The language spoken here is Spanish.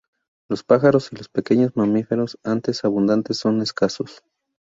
Los pájaros y los pequeños mamíferos, antes abundantes, son escasos.